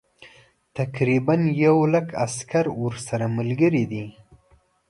تقریبا یو لک عسکر ورسره ملګري دي.